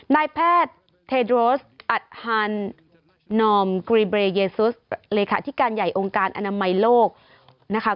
นายแพทย์เทโดรสอัดฮันนอมกรีเบรเยซุสเลขาธิการใหญ่องค์การอนามัยโลกนะคะ